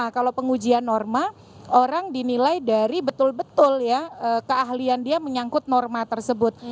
kalau pengujian norma orang dinilai dari betul betul ya keahlian dia menyangkut norma tersebut